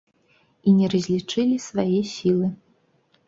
І не разлічылі свае сілы.